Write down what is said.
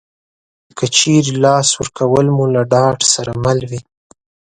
که چېرې لاس ورکول مو له ډاډ سره مل وي